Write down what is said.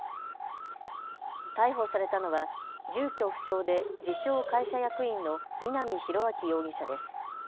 逮捕されたのは住居不詳で自称、会社役員の南浩明容疑者です。